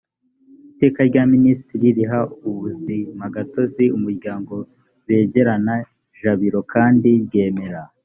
iteka rya minisitiri riha ubuzimagatozi umuryango bengerana jabiro kandi ryemera